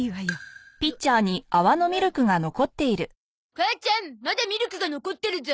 母ちゃんまだミルクが残ってるゾ。